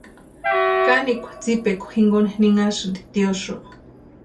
Kanekwa tsipekwa jinkoni ninhasïnti tiosïo.